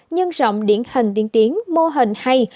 nhân rộng điển hình tiên tiến mô hình hay